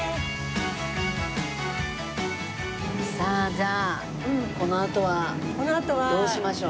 さあじゃあこのあとはどうしましょう？